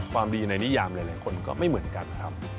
ความดีในนิยามหลายคนก็ไม่เหมือนกันครับ